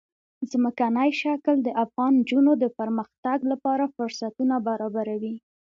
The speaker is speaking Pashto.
ځمکنی شکل د افغان نجونو د پرمختګ لپاره فرصتونه برابروي.